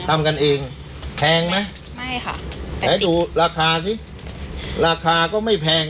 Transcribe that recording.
ทำกันเองแพงไหมไม่ค่ะไหนดูราคาสิราคาก็ไม่แพง